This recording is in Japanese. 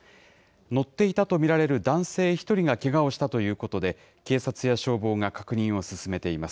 乗っていたと見られる男性１人がけがをしたということで、警察や消防が確認を進めています。